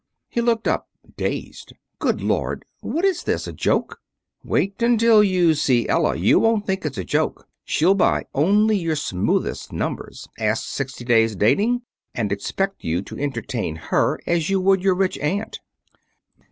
He looked up, dazed. "Good Lord, what is this? A joke?" "Wait until you see Ella; you won't think it's a joke. She'll buy only your smoothest numbers, ask sixty days' dating, and expect you to entertain her as you would your rich aunt."